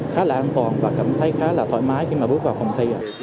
khá là an toàn và cảm thấy khá là thoải mái khi mà bước vào phòng thi